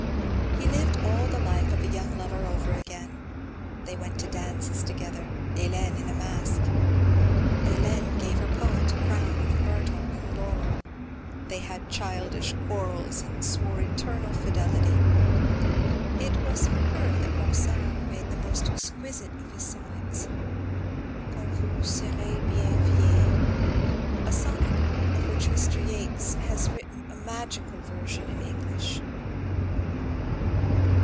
He lived all the life of a young lover over again. They went to dances together, Hélène in a mask. Hélène gave her poet a crown of myrtle and laurel. They had childish quarrels and swore eternal fidelity. It was for her that Ronsard made the most exquisite of his sonnets: Quand vous serez bien vieille a sonnet of which Mr. Yeats has written a magical version in English.